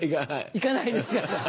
行かないですか。